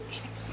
ini rumah sakit